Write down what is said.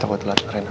takut lah ternyata